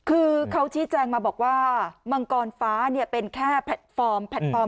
คือเขาชี้แจงมาบอกว่ามังกรฟ้าเป็นแค่แพลตฟอร์มแพลตฟอร์ม